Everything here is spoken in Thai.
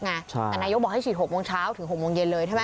แต่นายกบอกให้ฉีด๖โมงเช้าถึง๖โมงเย็นเลยใช่ไหม